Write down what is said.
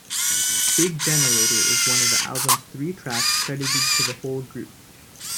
"Big Generator" is one of the album's three tracks credited to the whole group.